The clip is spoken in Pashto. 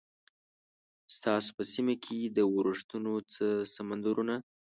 ستاسو په سیمه کې د ورښتونو څه سمندرونه؟